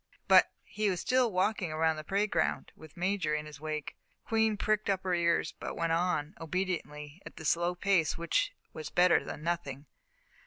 But he was still walking around the parade ground, with Major in his wake. Queen pricked up her ears but went on, obediently, at the slow pace which was better than nothing.